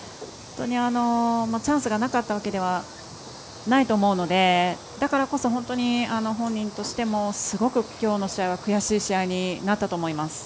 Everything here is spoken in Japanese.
チャンスがなかったわけではないと思うのでだからこそ、本当に本人としても、すごくきょうの試合は悔しい試合になったと思います。